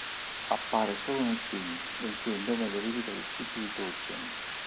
Appare solo nel film, benché il nome derivi dagli scritti di Tolkien.